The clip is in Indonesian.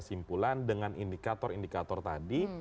kita berkesimpulan dengan indikator indikator tadi